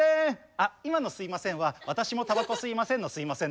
あ今の「すいません」は私もたばこ吸いませんの「すいません」です。